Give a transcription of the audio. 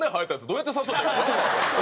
どうやって誘ったらいいか。